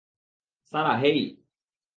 সারা, হেই!